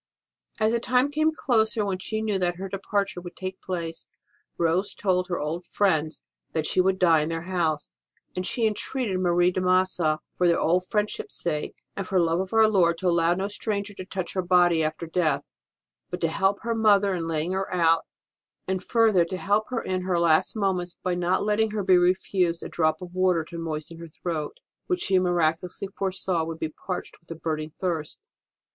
As the time came closer when she knew that her departure would take place, Rose told her old friends that she would die in their house ; and she entreated Marie de Massa, for their old friendship s sake, and for love of our Lord, to allow no stranger to touch her body after death, but to help her mother in laying her out; and, further, to help her in her last moments by not letting her be refused a drop of water to moisten her throat, which, she miraculously foresaw, would be parched with a burning thirst.